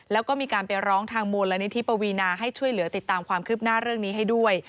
แล้วก็มีการไปร้องทางมูลนิธิปวีนาให้ช่วยเหลือติดตามความคืบหน้าเรื่องนี้ให้ด้วย